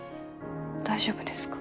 大丈夫ですか？